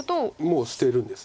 もう捨てるんです。